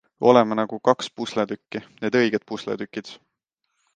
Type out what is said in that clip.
Oleme nagu kaks pusletükki, need õiged pusletükid.